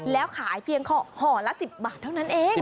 แล้วขายเพียงห่อละ๑๐บาทเท่านั้นเอง